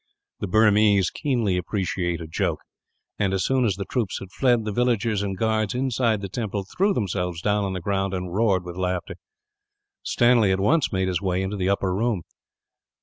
The Burmese keenly appreciate a joke and, as soon as the troops had fled, the villagers and guards inside the temple threw themselves down on the ground, and roared with laughter. Stanley at once made his way into the upper room.